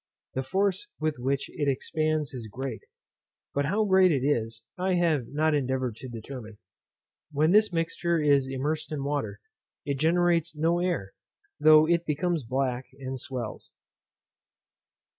The force with which it expands is great; but how great it is I have not endeavoured to determine. When this mixture is immersed in water, it generates no air, though it becomes black, and swells.